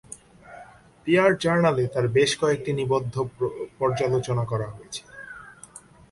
Peer জার্নালে তাঁর বেশ কয়েকটি নিবন্ধ পর্যালোচনা করা হয়েছে।